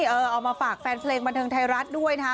เอามาฝากแฟนเพลงบันเทิงไทยรัฐด้วยนะคะ